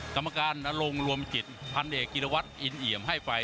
กรรมการอลงรวมจิตพันเอกกิลวัทอินเหียมให้ไฟ